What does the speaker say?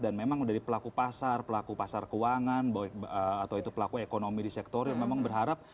dan memang dari pelaku pasar pelaku pasar keuangan atau itu pelaku ekonomi di sektor yang memang berharap